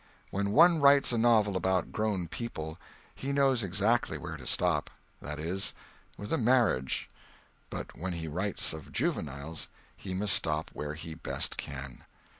When one writes a novel about grown people, he knows exactly where to stop—that is, with a marriage; but when he writes of juveniles, he must stop where he best can.